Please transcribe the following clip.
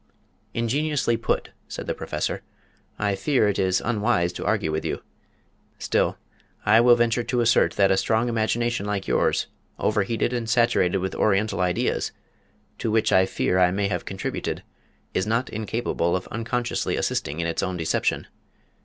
"Ingeniously put," said the Professor. "I fear it is unwise to argue with you. Still, I will venture to assert that a strong imagination like yours, over heated and saturated with Oriental ideas to which I fear I may have contributed is not incapable of unconsciously assisting in its own deception.